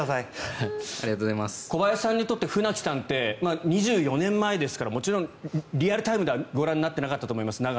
小林さんにとって船木さんって２４年前ですからリアルタイムではご覧になっていなかったと思います。